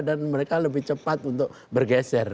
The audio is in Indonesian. dan mereka lebih cepat untuk bergeser